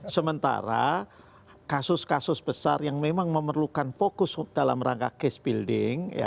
sementara kasus kasus besar yang memang memerlukan fokus dalam rangka case building